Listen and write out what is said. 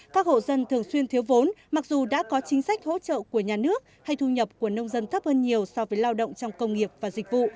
các hộ dân thường xuyên thiếu vốn mặc dù đã có chính sách hỗ trợ của nhà nước hay thu nhập của nông dân thấp hơn nhiều so với lao động trong công nghiệp và dịch vụ